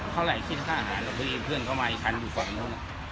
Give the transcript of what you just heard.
เขาไหล่คิดฆ่าอาหารพี่เพื่อนเขามาอีกครั้งอยู่ก่อนนึง